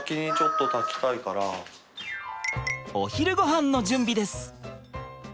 お昼ごはんの準備です。